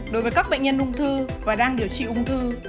đối với các bệnh nhân ung thư và đang điều trị ung thư